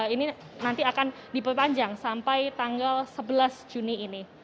ini nanti akan diperpanjang sampai tanggal sebelas juni ini